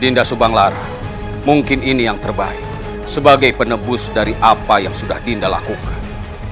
dinda subang lara mungkin ini yang terbaik sebagai penebus dari apa yang sudah dinda lakukan